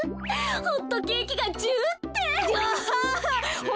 ホットケーキがジュって。